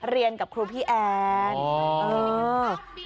เรียนกับครูพี่แอน